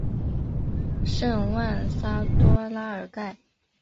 圣万桑多拉尔盖。